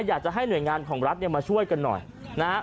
อยากจะให้หน่วยงานของรัฐเนี่ยมาช่วยกันหน่อยนะฮะ